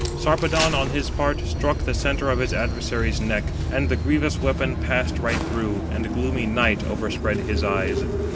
Sarpedon, on his part, struck the centre of [his adversary's] neck, and the grievous weapon passed right through; and gloomy night overspread his eyes.